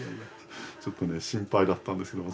ちょっとね心配だったんですけど。